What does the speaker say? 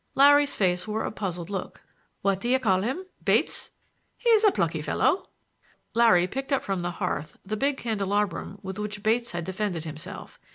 Larry's face wore a puzzled look. "What do you call him,—Bates? He's a plucky fellow." Larry picked up from the hearth the big candelabrum with which Bates had defended himself.